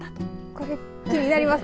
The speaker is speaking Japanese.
これ気になります